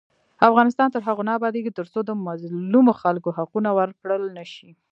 افغانستان تر هغو نه ابادیږي، ترڅو د مظلومو خلکو حقونه ورکړل نشي.